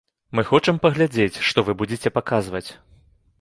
Мы хочам паглядзець, што вы будзеце паказваць.